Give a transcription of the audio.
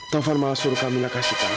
taufan malah suruh kami mengasihkan